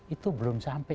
itu belum sampai